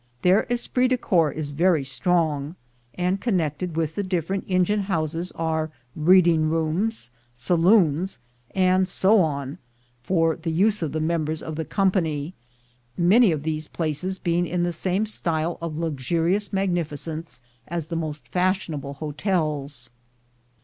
Their esprit de corps is very strong, and connected with the different engine houses are reading rooms, saloons, and so on, for the use of the members of the company, many of these places being in the same style LIFE AT HIGH SPEED 95 of luxurious magnificence as the most fashionable hotels.